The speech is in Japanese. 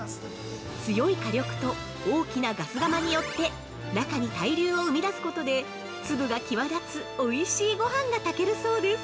◆強い火力と大きなガス釜によって、中に対流を生み出すことで粒が際立つおいしいごはんが炊けるそうです。